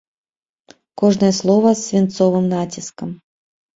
Кожнае слова з свінцовым націскам.